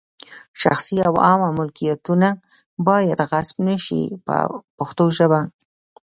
شخصي او عامه ملکیتونه باید غصب نه شي په پښتو ژبه.